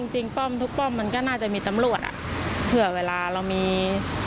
ป้อมทุกป้อมมันก็น่าจะมีตำรวจอ่ะเผื่อเวลาเรามี